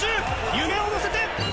夢をのせて！